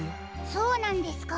そうなんですか。